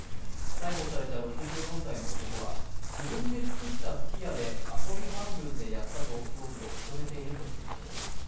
逮捕された６４歳の男は、自分で作った吹き矢で遊び半分でやったと容疑を認めているということです。